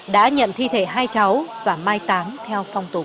đã nhận thi thể hai cháu và mai táng theo phong tục